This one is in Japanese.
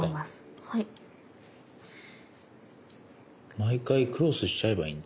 毎回クロスしちゃえばいいんだ。